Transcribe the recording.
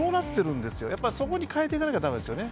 そこに変えていかなきゃダメですよね。